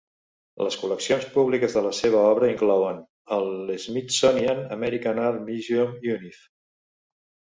Les col·leccions públiques de la seva obra inclouen: el Smithsonian American Art Museum, Univ.